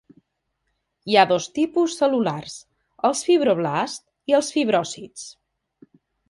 Hi ha dos tipus cel·lulars: els fibroblasts i els fibròcits.